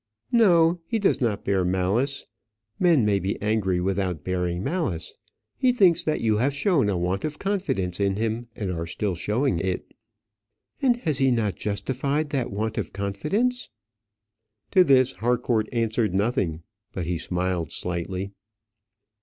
"No, he does not bear malice; men may be angry without bearing malice. He thinks that you have shown a want of confidence in him, and are still showing it." "And has he not justified that want of confidence?" To this Harcourt answered nothing, but he smiled slightly.